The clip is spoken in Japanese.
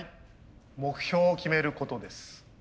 目標を決めることです。